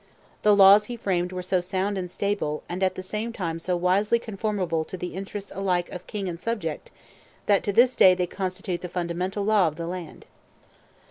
The laws he framed were so sound and stable, and at the same time so wisely conformable to the interests alike of king and subject, that to this day they constitute the fundamental law of the land.